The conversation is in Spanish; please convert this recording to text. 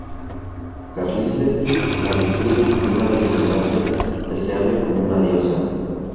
Carlisle la describe como deslumbrante, deseable como una diosa.